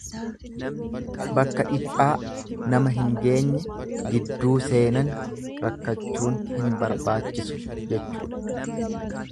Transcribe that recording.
Bakka dhiphaa nama hin geenye gidduu seenani rakkachuun hin barbaachisu jechuudha.